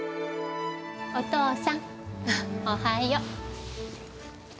お父さん、おはよう。